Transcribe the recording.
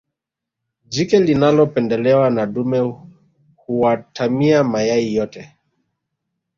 jike linalopendelewa na dume huatamia mayai yote